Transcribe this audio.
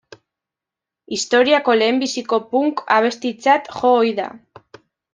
Historiako lehenbiziko punk abestitzat jo ohi da.